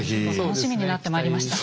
楽しみになってまいりました。